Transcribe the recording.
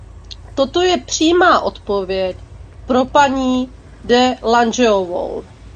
Toto je přímá odpověď pro paní de Langeovou.